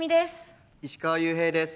石川裕平です。